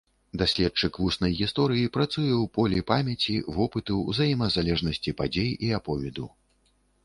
Даследчык вуснай гісторыі працуе ў полі памяці, вопыту, узаемазалежнасці падзей і аповеду.